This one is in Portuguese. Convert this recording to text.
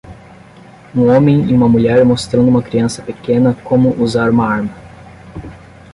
Um homem e uma mulher mostrando uma criança pequena como usar uma arma.